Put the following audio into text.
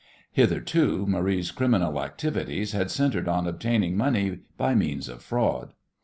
Hitherto Marie's criminal activities had centred on obtaining money by means of fraud.